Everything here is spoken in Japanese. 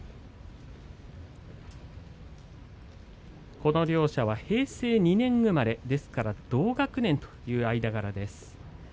この両者は平成２年生まれ同学年という間柄です。